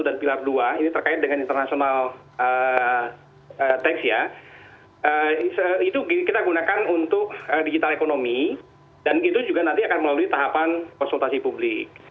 dan pilihan dua ini terkait dengan internasional tax ya itu kita gunakan untuk digital ekonomi dan itu juga nanti akan melalui tahapan konsultasi publik